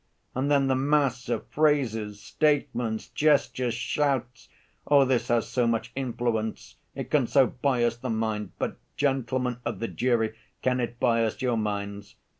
And then the mass of phrases, statements, gestures, shouts! Oh! this has so much influence, it can so bias the mind; but, gentlemen of the jury, can it bias your minds?